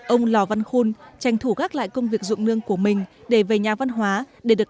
ông lò văn khun tranh thủ gác lại công việc dụng nương của mình để về nhà văn hóa để được